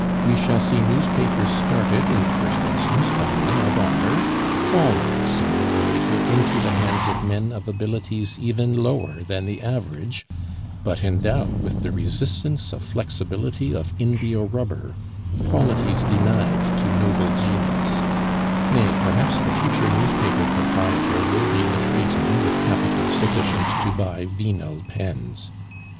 We shall see newspapers started in the first instance by men of honor, falling sooner or later into the hands of men of abilities even lower than the average, but endowed with the resistance of flexibility of india rubber, qualities denied to noble genius; nay, perhaps the future newspaper proprietor will be the tradesman with capital sufficient to buy venal pens.